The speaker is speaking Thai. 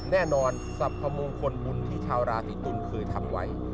แน่นอนสรรพมงคลบุญที่ชาวราศีตุลเคยทำไว้